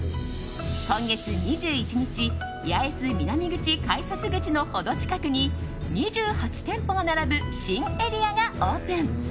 今月２１日八重洲南口改札口の程近くに２８店舗が並ぶ新エリアがオープン。